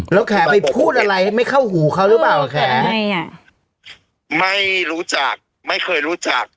แล้วแขไปพูดอะไรไม่เข้าหูเขาหรือเปล่าแขทำไมอ่ะไม่รู้จักไม่เคยรู้จัก